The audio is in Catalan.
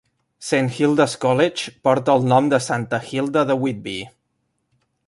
Saint Hilda's College porta el nom de Santa Hilda de Whitby.